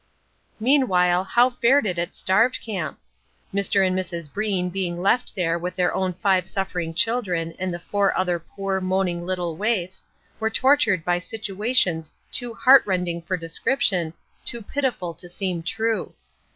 Meanwhile how fared it at Starved Camp? Mr. and Mrs. Breen being left there with their own five suffering children and the four other poor, moaning little waifs, were tortured by situations too heart rending for description, too pitiful to seem true.